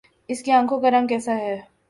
اس کی آنکھوں کا رنگ کیسا ہے